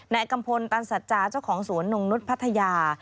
กัมพลตันสัจจาเจ้าของสวนนงนุษย์พัทยา